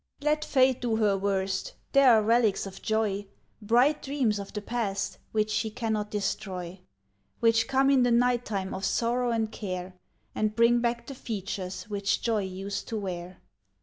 Let Fate do her worst, there are relics of joy, Bright dreams of the past, which she cannot destroy; Which come in the night time of sorrow and care, And bring back the features which joy used to wear.